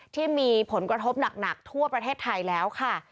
ที่มีผลกระทบหนักทั่วประเทศไทยแล้วค่ะ